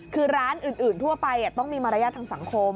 คือร้านอื่นทั่วไปต้องมีมารยาททางสังคม